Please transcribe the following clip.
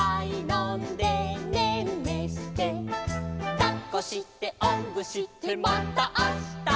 「だっこしておんぶしてまたあした」